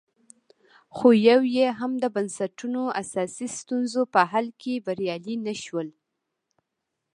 خو یو یې هم د بنسټونو اساسي ستونزو په حل کې بریالي نه شول